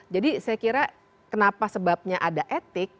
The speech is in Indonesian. jadi saya kira kenapa sebabnya ada etik